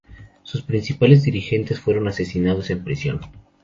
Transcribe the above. Sus principales dirigentes fueron asesinados en prisión.